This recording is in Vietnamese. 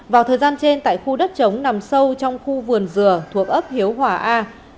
vào thời gian trên tại khu đất trống nằm sâu trong khu vườn dừa thuộc ấp hiếu hòa a